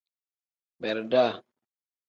Beredaa.